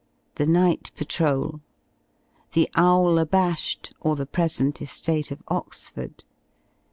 § The night patrol. § 'The owl abash 'd' or the present estate of Oxford.